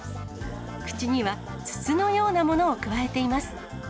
口には筒のようなものをくわえています。